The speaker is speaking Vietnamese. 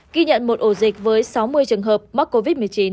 ghi nhận một ổ dịch với sáu mươi trường hợp mắc covid một mươi chín